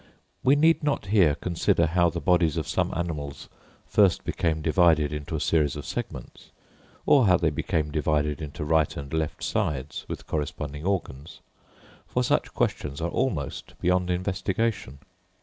We need not here consider how the bodies of some animals first became divided into a series of segments, or how they became divided into right and left sides, with corresponding organs, for such questions are almost beyond investigation.